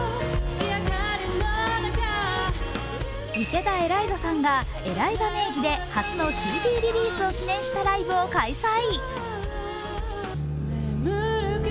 池田エライザさんがＥＬＡＩＺＡ名義で初のＣＤリリースを記念したライブを開催。